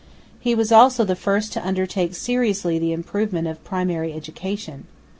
He also was the first to undertake seriously the improvement of primary education.